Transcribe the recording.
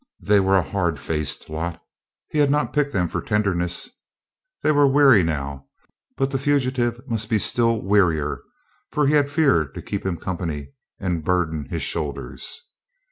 They were a hard faced lot; he had not picked them for tenderness. They were weary now, but the fugitive must be still wearier, for he had fear to keep him company and burden his shoulders.